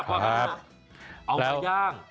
เอามาย่าง